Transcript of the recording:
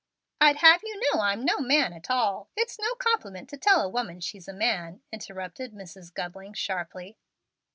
"I'd have you know I'm no man at all. It's no compliment to tell a woman she's like a man," interrupted Mrs. Gubling, sharply.